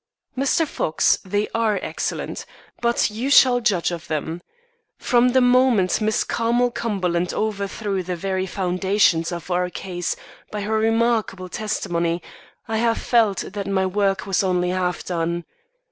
"Mr. Fox, they are excellent. But you shall judge of them. From the moment Miss Carmel Cumberland overthrew the very foundations of our case by her remarkable testimony, I have felt that my work was only half done.